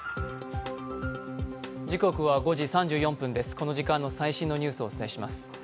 この時間の最新のニュースをお伝えします。